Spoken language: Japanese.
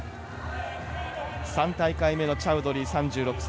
３大会目のチャウドリー３１歳。